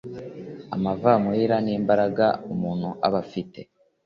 amavamuhira n'imbaraga umuntu aba afite